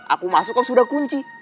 aku masuk kok sudah kunci